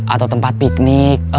atau tempat piknik